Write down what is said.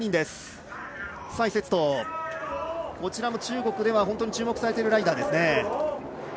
蔡雪桐、こちらも中国では注目されているライダーですね。